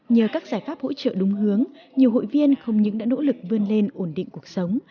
nhờ các giải pháp hỗ trợ đúng hướng nhiều hội viên không những đã nỗ lực vươn lên ổn định cuộc sống